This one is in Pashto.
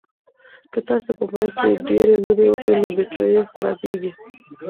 که تاسي په موبایل کې ډېرې لوبې وکړئ نو بېټرۍ یې خرابیږي.